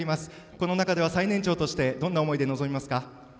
この中では最年長としてどんな思いで臨みますか？